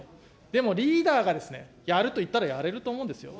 でもリーダーがですね、やると言ったら、やれると思うんですよ。